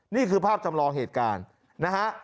นี่คือภาพจำลองเหตุการณ์นะฮะ